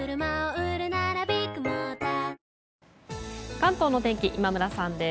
関東の天気、今村さんです。